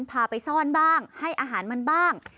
พาไปซ่อนบ้างให้อาหารมันบ้าง